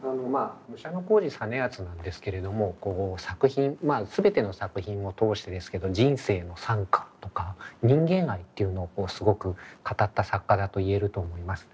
武者小路実篤なんですけれども作品全ての作品を通してですけど人生の賛歌とか人間愛っていうのをすごく語った作家だと言えると思います。